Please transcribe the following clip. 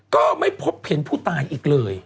ก็ไม่พบเห็นผู้ตายอีกเลย